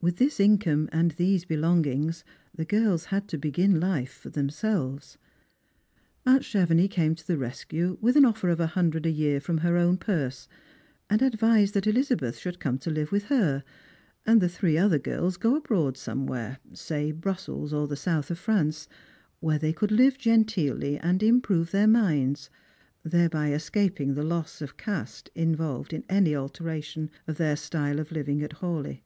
With this income, and these ha ngings, the girls had to begin life for themselves. Aunt d'hevenix came to the rescue with an oflFer of a hundred a year fiom her owi; purse, and advised that Elizabeth should come to live with her, and the three other girls go abroad somewhere, say Brussels or the south of France, where they could live genteelly and improve their minds, thereby escajang the loss of caste in volved in any alteration of their style of Kving at Hawleigh.